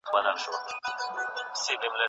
وطن خلاص کړه د خوني مغول له شره